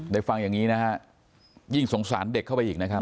ฟังอย่างนี้นะฮะยิ่งสงสารเด็กเข้าไปอีกนะครับ